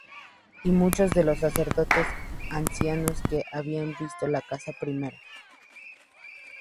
Y muchos de los sacerdotes, ancianos que habían visto la casa primera.